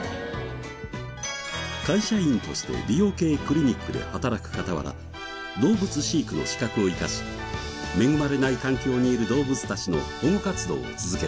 会社員として美容系クリニックで働く傍ら動物飼育の資格を生かし恵まれない環境にいる動物たちの保護活動を続けて。